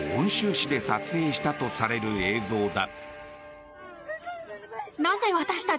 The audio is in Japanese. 市で撮影したとされる映像だ。